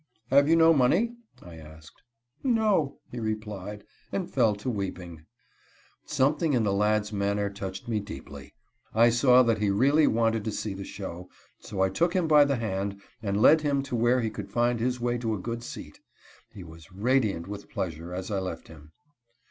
"Have you no money?" I asked. "No," he replied, and fell to weeping. Something in the lad's manner touched me deeply. I saw that he really wanted to see the show, so I took him by the hand and led him to where he could find his way to a good seat. He was radiant with pleasure as I left him.